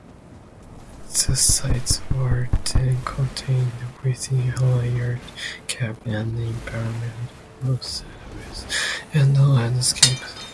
The sites were then contained within a layered cap and impermeable sidewalls, and landscaped.